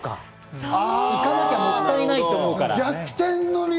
行かなきゃもったいないと思うから。